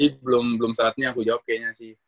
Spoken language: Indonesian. nah jadi belum saatnya aku jawab kayaknya sih